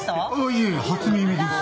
いえ初耳です。